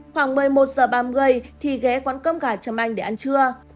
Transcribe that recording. khoảng một mươi một h ba mươi thì ghé quán cơm gà châm anh để ăn trưa